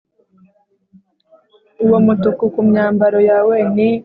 uwo mutuku ku myambaro yawe ni uw’iki,